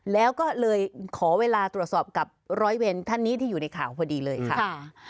แล้วก็เลยขอเวลาตรวจสอบกับร้อยเวรท่านนี้ที่อยู่ในข่าวพอดีเลยค่ะ